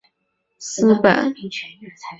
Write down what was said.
总部设于澳洲布里斯本。